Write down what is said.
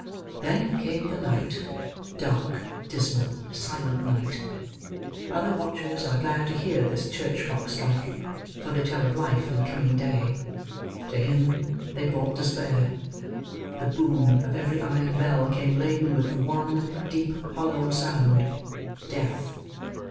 Then came the night—dark, dismal, silent night. Other watchers are glad to hear this church clock strike, for they tell of life and coming day. To him they brought despair. The boom of every iron bell came laden with the one, deep, hollow sound—Death.